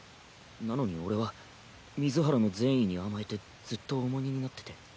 なのに俺は水原の善意に甘えてずっと重荷になってて。